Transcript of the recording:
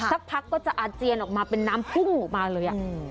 สักพักก็จะอาเจียนออกมาเป็นน้ำพุ่งออกมาเลย